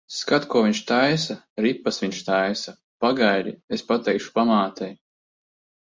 Skat, ko viņš taisa! Ripas viņš taisa. Pagaidi, es pateikšu pamātei.